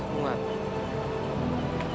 aku gak tahu